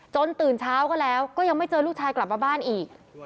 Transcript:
ตื่นเช้าก็แล้วก็ยังไม่เจอลูกชายกลับมาบ้านอีก